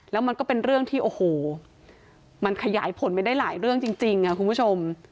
แล้วมันก็เป็นเรื่องที่โอ้โหมันขยายผลไปได้หลายเรื่องจริงคุณผู้ชม